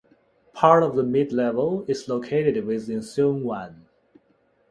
Part of the Mid-Levels is located within Sheung Wan.